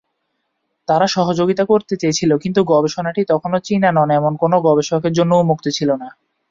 তাঁরা সহযোগিতা করতে চেয়েছিল কিন্তু গবেষণাটি তখনও চীনা নন এমন কোন গবেষকের জন্য উন্মুক্ত ছিল না।